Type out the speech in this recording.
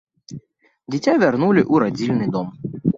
Дзіця вярнулі ў радзільны дом.